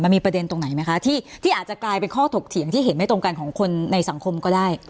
มีประเด็นตรงไหนไหมคะที่อาจจะกลายเป็นข้อถกเถียงที่เห็นไม่ตรงกันของคนในสังคมก็ได้